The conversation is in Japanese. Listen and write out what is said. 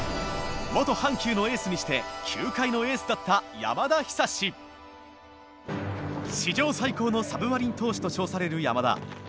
元阪急のエースにして球界のエースだった史上最高のサブマリン投手と称される山田。